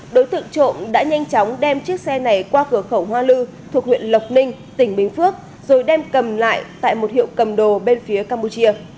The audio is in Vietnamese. đối tượng trộm đã nhanh chóng đem chiếc xe này qua cửa khẩu hoa lư thuộc huyện lộc ninh tỉnh bình phước rồi đem cầm lại tại một hiệu cầm đồ bên phía campuchia